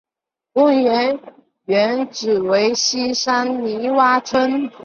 公园原址为西青泥洼村。